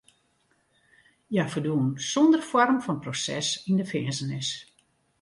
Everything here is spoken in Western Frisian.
Hja ferdwûn sonder foarm fan proses yn de finzenis.